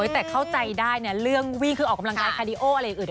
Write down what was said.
แต่เข้าใจได้เนี่ยเรื่องวิ่งคือออกกำลังกายคาเดีโออะไรอื่น